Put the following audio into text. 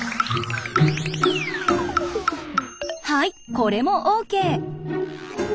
はいこれもＯＫ。